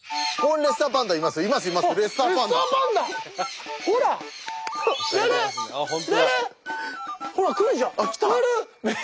ルル！ほら来るじゃん。